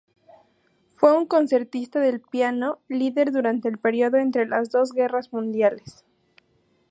Fue un concertista de piano líder durante el período entre las dos Guerras Mundiales.